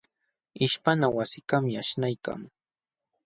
Ishpana wasikaqmi aśhnaykan.